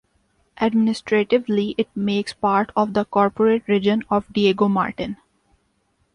Administratively it makes part of the Corporate Region of Diego Martin.